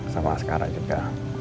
sama askara juga